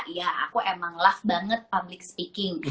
ya aku emang love banget public speaking